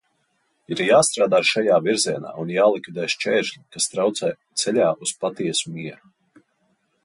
Ir jāstrādā šajā virzienā un jālikvidē šķēršļi, kas traucē ceļā uz patiesu mieru.